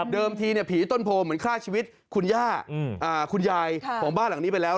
เดิมทีผีต้นโภเหมือนฆ่าชีวิตคุณญายของบ้านหลังนี้ไปแล้ว